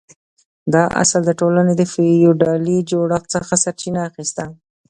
دا اصل د ټولنې له فیوډالي جوړښت څخه سرچینه اخیسته.